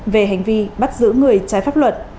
về hành vi bắt giữ người trái pháp luật